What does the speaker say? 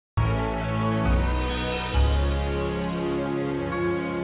sampai jumpa lagi